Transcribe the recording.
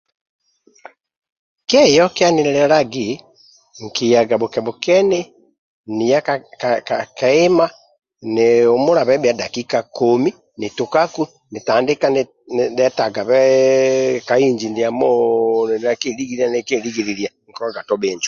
Kieyokiya ninilelegi, nkiyaga bhukebhukeni, niya ka ka ke keima nihumulabe bhia dakika komi nitukaku nitandika dhetagabeeeee ka inji ndiamooo ninilia kyeligililia ninilia kyeligililia nkikolaga to bhinjo.